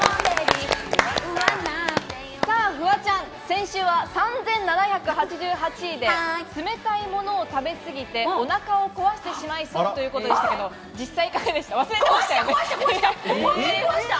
フワちゃん、先週は３７８８位で冷たいものを食べ過ぎて、お腹を壊してしまいそうということでしたけど、実際いかがでした？